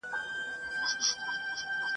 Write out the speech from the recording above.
تر قیامته بل ته نه سوای خلاصېدلای !.